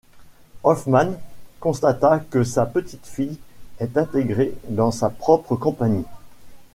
Hoffmann constata que sa petite-fille est intégrée dans sa propre compagnie.